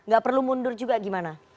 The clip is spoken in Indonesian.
gak perlu mundur juga gimana